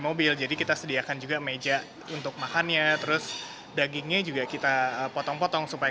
mobil jadi kita sediakan juga meja untuk makannya terus dagingnya juga kita potong potong supaya